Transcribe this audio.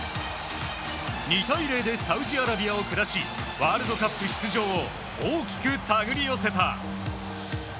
２対０でサウジアラビアを下しワールドカップ出場を大きく手繰り寄せた。